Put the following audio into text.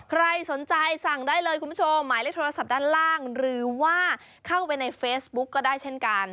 ใครสนใจสั่งได้เลยคุณผู้ชมหมายเลขโทรศัพท์ด้านล่างหรือว่าเข้าไปในเฟซบุ๊กก็ได้เช่นกัน